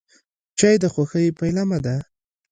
چای د خوښۍ پیلامه ده.